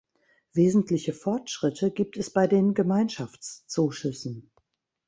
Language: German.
Wesentliche Fortschritte gibt es bei den Gemeinschaftszuschüssen.